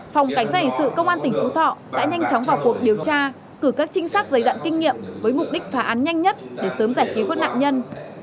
phòng cảnh sát hình sự công an tỉnh phú thọ đã nhanh chóng vào cuộc điều tra cử các trinh sát dày dặn kinh nghiệm với mục đích phá án nhanh nhất để sớm giải cứu các nạn nhân